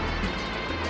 jangan makan aku